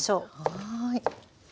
はい。